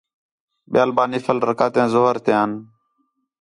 ٻِیال ݙُو نفل رکعتیان ظُہر تیان